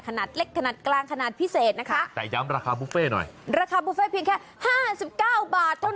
ขนาดเล็กขนาดกลางขนาดพิเศษนะคะแต่ย้ำราคาบุฟเฟ่หน่อยราคาบุฟเฟ่เพียงแค่ห้าสิบเก้าบาทเท่านั้น